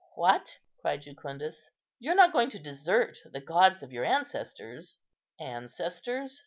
"What!" cried Jucundus, "you're not going to desert the gods of your ancestors?" "Ancestors?"